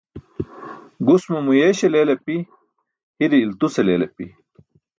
Gus mo muyeeśe leel api, hire iltuse leel api